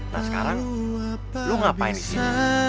nah sekarang lo ngapain disini